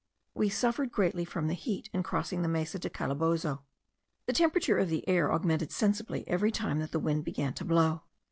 We suffered greatly from the heat in crossing the Mesa de Calabozo. The temperature of the air augmented sensibly every time that the wind began to blow.